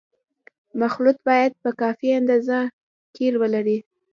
مخلوط باید په کافي اندازه قیر ولري